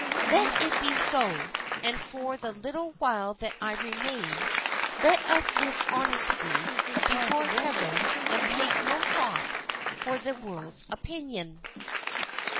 Let it be so, and for the little while that I remain, let us live honestly before heaven and take no thought for the world's opinion."